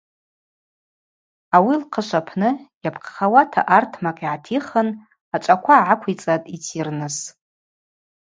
Ауи лхъышв апны йапхъахауа артмакъ йгӏатихын ачӏваква гӏаквицӏатӏ йтйырныс.